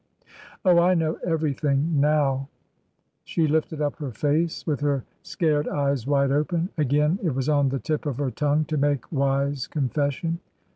*' Oh ! I know everything — now r She lifted up her face with her scared eyes wide open; again it was on the tip of her tongue to make wise con fession.